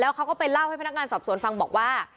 เขาก็ไปเล่าให้พนักงานสอบสวนฟังบอกว่า